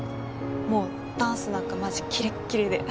もうダンスなんかマジキレッキレで。